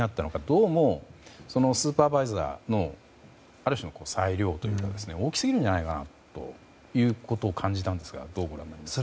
どうも、スーパーバイザーのある種の裁量というか大きすぎるんじゃないかなということを感じたんですがどうご覧になりますか？